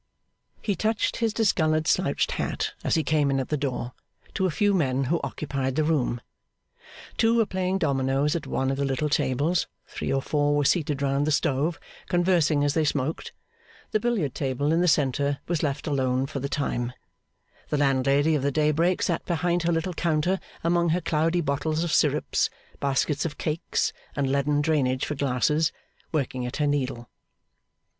He touched his discoloured slouched hat, as he came in at the door, to a few men who occupied the room. Two were playing dominoes at one of the little tables; three or four were seated round the stove, conversing as they smoked; the billiard table in the centre was left alone for the time; the landlady of the Daybreak sat behind her little counter among her cloudy bottles of syrups, baskets of cakes, and leaden drainage for glasses, working at her needle.